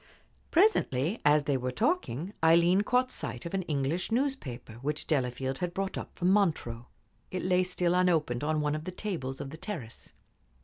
Presently, as they were talking, Aileen caught sight of an English newspaper which Delafield had brought up from Montreux. It lay still unopened on one of the tables of the terrace.